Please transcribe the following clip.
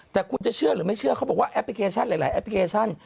แต่คุณจะเชื่อหรือไม่เชื่อเขาบอกว่าแอปพลิเคชันหลายแอปพลิเคชัน